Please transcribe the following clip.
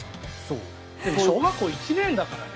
でも小学校１年だからね。